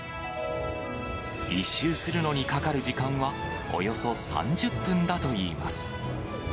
１周するのにかかる時間はおよそ３０分だといいます。